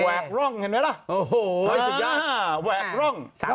แวกร่องเห็นไหมล่ะ